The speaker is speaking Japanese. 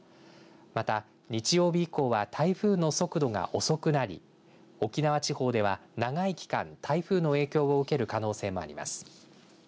また、日曜日以降は台風の速度が遅くなり沖縄地方では長い期間台風の影響を受ける可能性もあります。